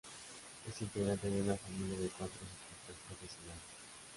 Es integrante de una familia de cuatro ciclistas profesionales.